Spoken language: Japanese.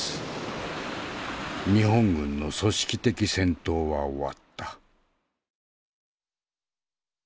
日本軍の組織的戦闘は終わった。